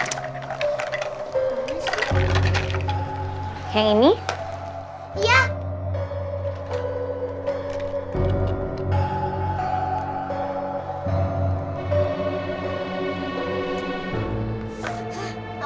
aku harus bikin perhitungan sama reva